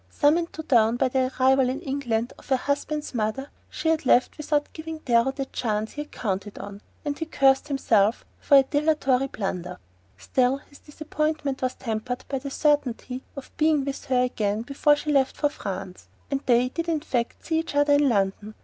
Summoned to town by the arrival in England of her husband's mother, she left without giving Darrow the chance he had counted on, and he cursed himself for a dilatory blunderer. Still, his disappointment was tempered by the certainty of being with her again before she left for France; and they did in fact see each other in London.